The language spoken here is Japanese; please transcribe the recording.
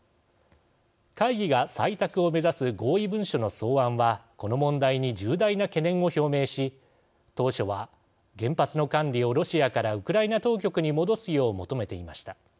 会議が採択を目指す合意文書の草案はこの問題に重大な懸念を表明し当初は原発の管理をロシアからウクライナ当局に戻すよう求めていました。